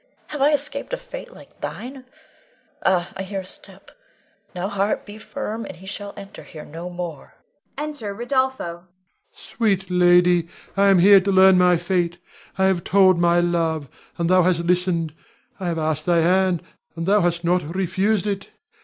Have I escaped a fate like thine? Ah, I hear his step! Now, heart, be firm and he shall enter here no more. [Enter Rodolpho. Rod. Sweet lady, I am here to learn my fate. I have told my love, and thou hast listened; I have asked thy hand, and thou hast not refused it.